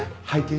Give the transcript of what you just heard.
はい。